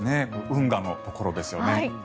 運河のところですよね。